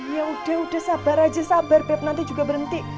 ya udah sabar aja sabar beb nanti juga berhenti